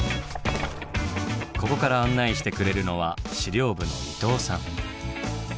ここから案内してくれるのは資料部の伊藤さん。